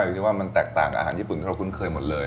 ที่ว่ามันแตกต่างอาหารญี่ปุ่นที่เราคุ้นเคยหมดเลย